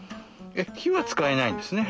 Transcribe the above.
火は使えないんですね？